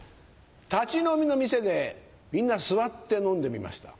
立ち飲みの店でみんな座って飲んでみました。